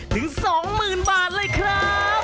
ถึง๒๐๐๐บาทเลยครับ